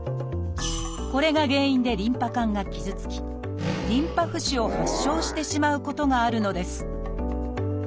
これが原因でリンパ管が傷つきリンパ浮腫を発症してしまうことがあるのです。